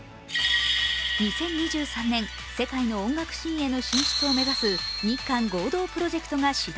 ２０２３年、世界の音楽シーンへの進出を目指す日韓合同プロジェクトが始動。